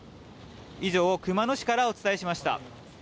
以上、熊野市からお伝えしました。